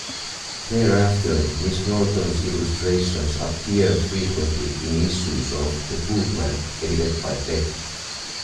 Thereafter, Miss Norton's illustrations appear frequently in issues of "The Bookman" edited by Peck.